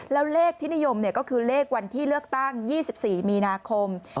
แล้วเลขที่นิยมก็คือเลขวันที่เลือกตั้ง๒๔มีนาคม